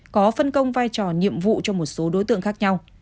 có phân công vai trò nhiệm vụ cho một số đối tượng khác nhau